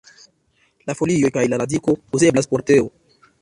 La folioj kaj la radiko uzeblas por teo.